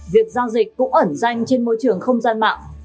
việc giao dịch cũng ẩn danh trên môi trường không gian mạng